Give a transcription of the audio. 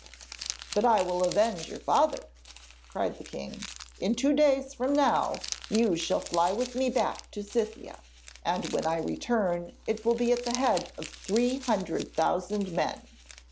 'But I will avenge your father,' cried the king. 'In two days from now you shall fly with me back to Scythia, and when I return it will be at the head of three hundred thousand men.'